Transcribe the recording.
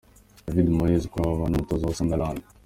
David Moyes kuri ubu ni umutoza wa Sunderland.